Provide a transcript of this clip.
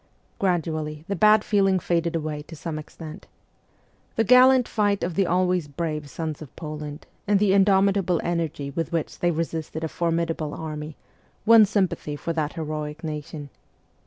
Gradually the bad feeling faded away to some extent. The gallant fight of the always brave sons of Poland, and the indomitable energy with which they resisted a formidable army, won sympathy for that heroic nation.